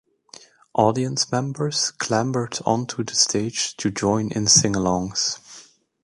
Audience members clambered onto the stage to join in singalongs.